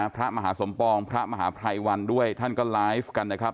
พระมหาสมปองพระมหาภัยวันด้วยท่านก็ไลฟ์กันนะครับ